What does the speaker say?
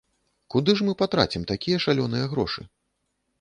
Куды ж мы патрацім такія шалёныя грошы?